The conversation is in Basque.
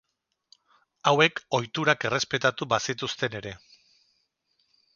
Hauek ohiturak errespetatu bazituzten ere.